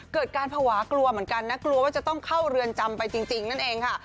เกิดการภาวะกลัวเหมือนกันนะกลัวว่าจะต้องเข้าเรือนจำไปจริงนั่นเองค่ะ